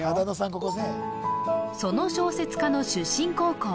ここねその小説家の出身高校